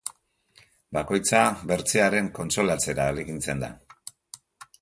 Bakoitza bertzearen kontsolatzera ahalegintzen da.